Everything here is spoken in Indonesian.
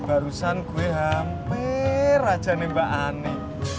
barusan gue hampir raja nih mbak ani